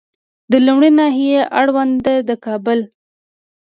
د لومړۍ ناحیې اړوند د کابل